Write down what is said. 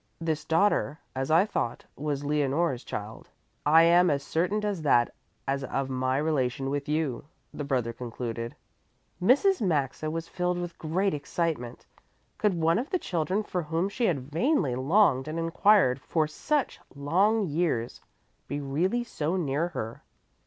"This daughter, as I thought, was Leonore's child. I am as certain of that as of my relation with you," the brother concluded. Mrs. Maxa was filled with great excitement. Could one of the children for whom she had vainly longed and inquired for such long years be really so near her?